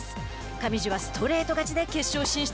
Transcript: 上地はストレート勝ちで決勝進出。